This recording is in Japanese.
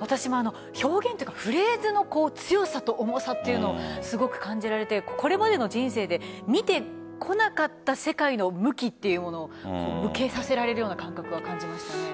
私も表現というかフレーズの強さと重さというのをすごく感じられてこれまでの人生で見てこなかった世界の向きというものを向けさせられるような感覚を感じました。